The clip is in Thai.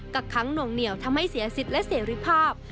กั้งหน่วงเหนียวทำให้เสียสิทธิ์และเสรีภาพ